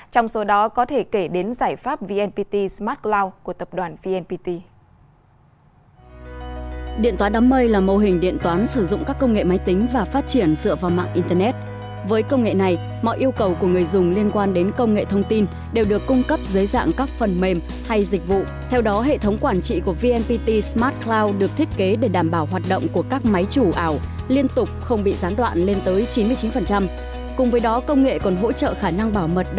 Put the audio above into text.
trong số đó có thể kể đến giải pháp vnpt smart cloud của tập đoàn vnpt